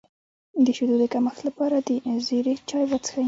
د شیدو د کمښت لپاره د زیرې چای وڅښئ